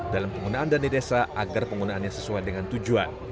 dalam penggunaan dana desa agar penggunaannya sesuai dengan tujuan